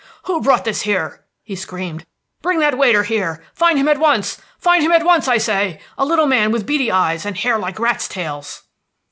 "Who brought this here?" he screamed. "Bring that waiter here. Find him at once. Find him at once, I say. A little man with beady eyes and hair like rats' tails."